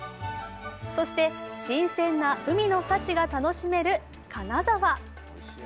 そして新鮮な海の幸が楽しめる金沢。